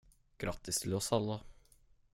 Grattis till oss alla!